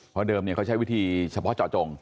เพราะเดิมเขาใช้วิธีเฉพาะเจาะจง